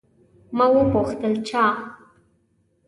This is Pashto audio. ما وپوښتل، چا؟